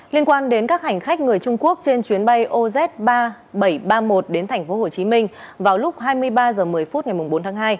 liên quan đến các hành khách người trung quốc trên chuyến bay oz ba nghìn bảy trăm ba mươi một đến tp hcm vào lúc hai mươi ba h một mươi phút ngày bốn tháng hai